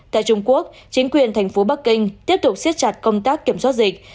tại trung quốc chính quyền thành phố bắc kinh tiếp tục siết chặt công tác kiểm soát dịch